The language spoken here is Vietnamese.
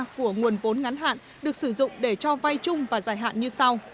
của nguồn vốn ngắn hạn được sử dụng để cho vai chung và giải hạn như sau